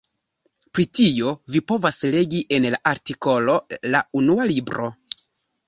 Pri tio vi povas legi en la artikolo La Unua Libro.